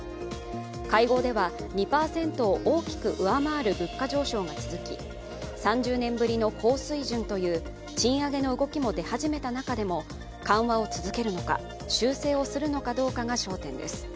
会合では２％を大きく上回る物価上昇が続き、３０年ぶりの高水準という賃上げの動きも出始めた中でも緩和を続けるのか、修正をするのかどうかが焦点です。